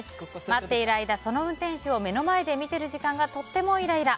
待っている間その運転手を目の前で見ている時間がとってもイライラ。